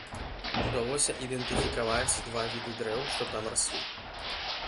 Удалося ідэнтыфікаваць два віды дрэў, што там раслі.